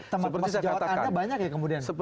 teman teman sejawatannya banyak ya kemudian